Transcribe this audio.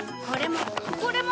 これも。